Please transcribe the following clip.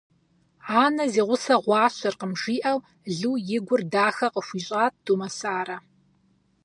- Анэ зи гъусэ гъуащэркъым, - жиӀэу Лу и гур дахэ къыхуищӀат Думэсарэ.